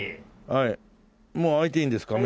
もう開いていいんですかね？